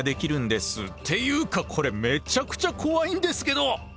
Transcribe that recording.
っていうかこれめちゃくちゃ怖いんですけど！